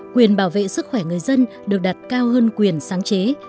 quyền bảo vệ sức khỏe người dân được đặt cao hơn quyền sáng chế